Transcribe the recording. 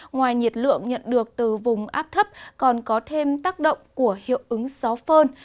ngoài nhiệt lượng nhận được từ vùng áp thấp còn có thêm tác động của hiệu ứng gió phơn